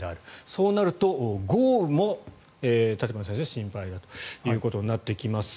そうなると豪雨も立花先生、心配だということになってきます。